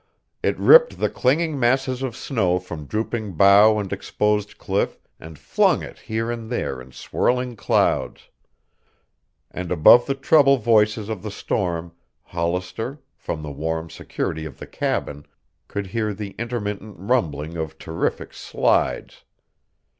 It ripped the clinging masses of snow from drooping bough and exposed cliff and flung it here and there in swirling clouds. And above the treble voices of the storm Hollister, from the warm security of the cabin, could hear the intermittent rumbling of terrific slides.